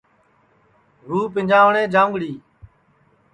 رُوح پِنجانٚوٹؔیں جاؤنٚگڑی